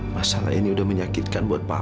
masalah ini udah menyakitkan buat pak